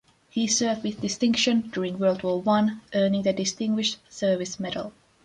He served with distinction during World War One, earning the Distinguished Service Medal.